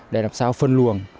để làm sao phân luồng